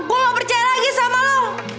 gua gak percaya lagi sama lu